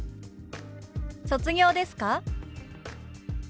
「卒業ですか？」。